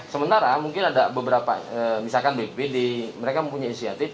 sementara mungkin ada beberapa misalkan bpd mereka mempunyai inisiatif